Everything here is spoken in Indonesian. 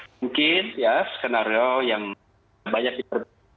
mungkin ya skenario yang banyak diperbaiki